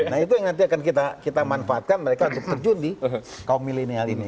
nah itu yang nanti akan kita manfaatkan mereka untuk terjun di kaum milenial ini